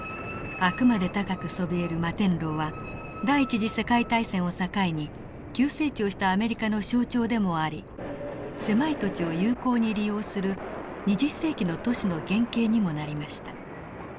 あくまで高くそびえる摩天楼は第一次世界大戦を境に急成長したアメリカの象徴でもあり狭い土地を有効に利用する２０世紀の都市の原型にもなりました。